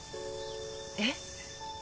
えっ？